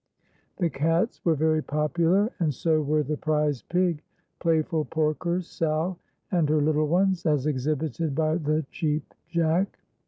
The cats were very popular, and so were the Prize Pig, Playful Porkers, Sow and her Little Ones, as exhibited by the Cheap Jack.